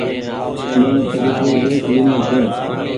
مين تريڪو ۮيک لينو ڇون ۔